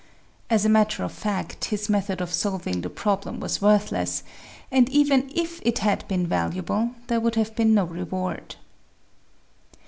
As a matter of fact his method of solving the problem was worthless, and even if it had been valuable, there would have been no reward.